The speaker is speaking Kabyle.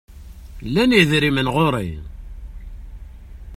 Llan yidrimen ɣur-i.